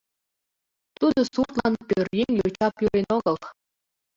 — Тудо суртлан пӧръеҥ йоча пӱрен огыл.